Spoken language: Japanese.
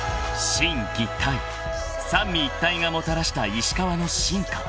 ［心・技・体三位一体がもたらした石川の進化］